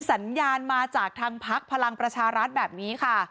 สัญญาณมาจากทางพักพลังประชารัฐแบบนี้ค่ะ